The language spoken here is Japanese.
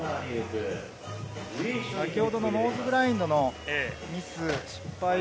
先ほどのノーズグラインドのミス、失敗。